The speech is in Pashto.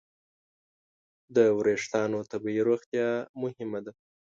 د وېښتیانو طبیعي روغتیا مهمه ده.